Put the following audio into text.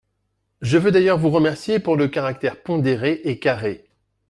Je veux d’ailleurs vous remercier pour le caractère pondéré Et carré